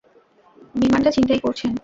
বিমানটা ছিনতাই করছেন।